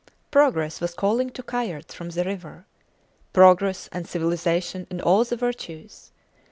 Progress was calling to Kayerts from the river. Progress and civilization and all the virtues.